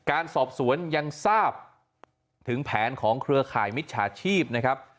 การสอบสวนยังทราบถึงแผนของเครือข่ายมิจฉาชีพนะครับ